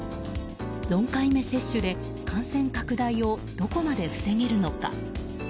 ４回目接種で感染拡大をどこまで防げるのか。